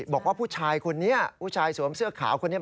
บอกว่าผู้ชายคนนี้ผู้ชายสวมเสื้อขาวคนนี้